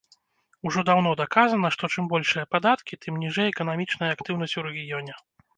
Ужо даўно даказана, што чым большыя падаткі, тым ніжэй эканамічная актыўнасць у рэгіёне.